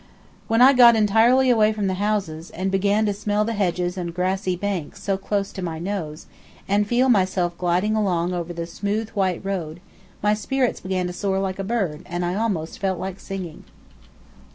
When I got entirely away from the houses, and began to smell the hedges and grassy banks so close to my nose, and feel myself gliding along over the smooth white road, my spirits began to soar like a bird, and I almost felt like singing.